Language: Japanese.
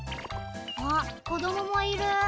あっこどももいる。